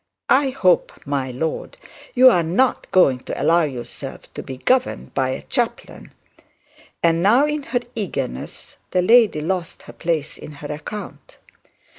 I hope, my lord, you are not going to allow yourself to be governed by a chaplain.' and now in her eagerness the lady lost her place in her account.